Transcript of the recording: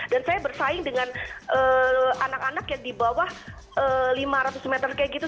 dan saya bersaing dengan anak anak yang di bawah lima ratus meter kayak gitu